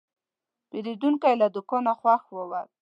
پیرودونکی له دوکانه خوښ ووت.